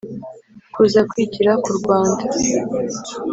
Kuza kwigira k u rwanda